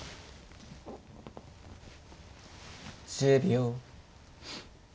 １０秒。